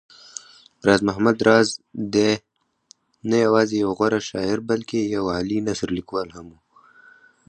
راز محمد راز دی نه يوازې يو غوره شاعر بلکې يو عالي نثرليکوال و